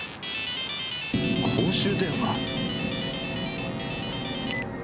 「公衆電話」？